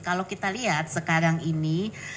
kalau kita lihat sekarang ini